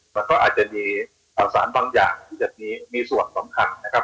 มันก็อาจจะมีข่าวสารบางอย่างที่จะมีส่วนสำคัญนะครับ